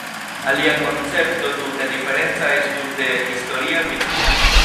Alia koncepto tute diferenca estus de historia vidpunkto.